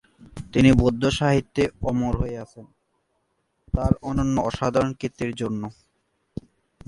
তিনি বৌদ্ধ সাহিত্যে অমর হয়ে আছেন তার অনন্য অসাধারণ কীর্তির জন্য।